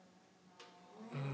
うん。